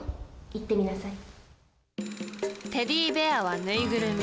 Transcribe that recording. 言ってみなさい。